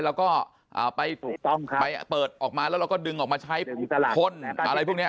แล้วก็ไปเปิดออกมาแล้วเราก็ดึงออกมาใช้พ่นอะไรพวกนี้